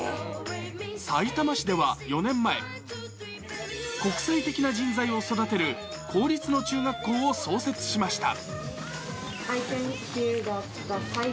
さいたま市では４年前、国際的な人材を育てる公立の中学校を創設しました。